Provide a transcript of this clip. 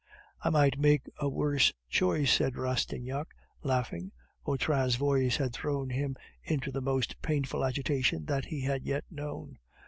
"I might make a worse choice," said Rastignac, laughing. Vautrin's voice had thrown him into the most painful agitation that he had yet known.